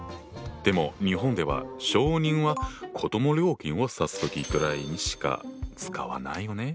でも日本では小人は子ども料金を指す時ぐらいにしか使わないよね？